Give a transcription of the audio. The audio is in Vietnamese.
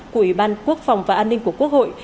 của ủy ban quốc phòng và an ninh của quốc hội